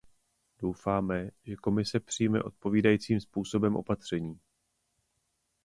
Doufáme, že Komise přijme odpovídajícím způsobem opatření.